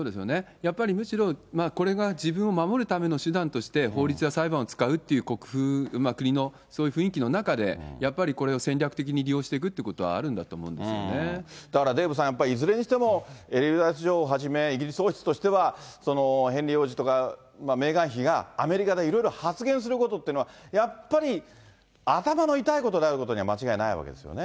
やっぱりむしろ、これが自分を守るための手段として、法律や裁判を使うっていう国風、国のそういう雰囲気の中で、やっぱり、これを戦略的に利用していくっていうことはあるんだと思うんですだからデーブさん、いずれにしても、エリザベス女王をはじめ、イギリス王室としては、ヘンリー王子とかメーガン妃がアメリカでいろいろ発言することっていうのは、やっぱり頭の痛いことであることには間違いないわけですよね。